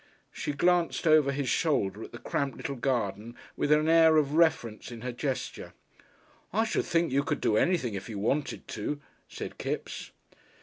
She glanced over his shoulder at the cramped little garden with an air of reference in her gesture. "I should think you could do anything if you wanted to," said Kipps.